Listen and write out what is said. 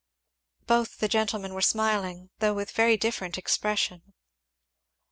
Both the gentlemen were smiling, though with very different expression.